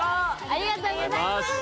ありがとうございます！